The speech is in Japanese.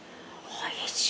おいしい。